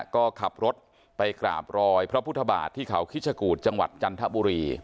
ก็ขับรถไปกราบรอยพระพุทธบาทที่เขาคิชกูธจังหวัดจันทบุรี